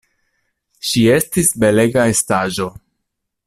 Ŝi estis belega estaĵo.